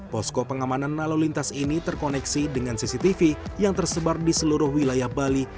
posko pengamanan lalu lintas ini terkoneksi dengan cctv yang tersebar di seluruh wilayah bali